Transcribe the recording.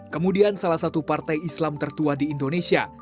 kemudian salah satu partai islam tertua di indonesia